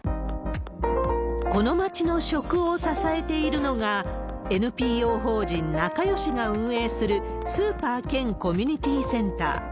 この町の食を支えているのが、ＮＰＯ法人なかよしが運営するスーパー兼コミュニティーセンター。